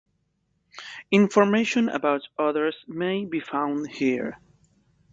Information about others may be found here.